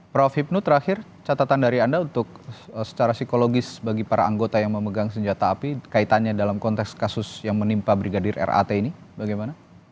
prof hipnu terakhir catatan dari anda untuk secara psikologis bagi para anggota yang memegang senjata api kaitannya dalam konteks kasus yang menimpa brigadir rat ini bagaimana